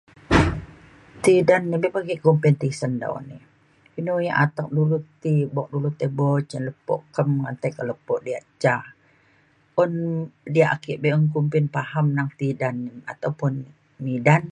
Tidan abe pa ake kumbin tisen dau ini. Inu yak atek dulu ti buk dulu tai bo cen lepo kem atau tai ke lepo diak ca un diak ake be’un kumbin paham neng tidan ataupun midan.